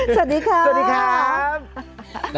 สวัสดีครับสวัสดีครับ